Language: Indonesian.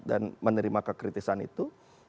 dan menerima kekritisan itu